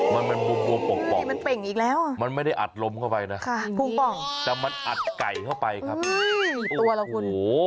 มันเป็นมุมปุ่งป่องมันไม่ได้อัดล้มเข้าไปนะแต่มันอัดไก่เข้าไปครับโอ้โห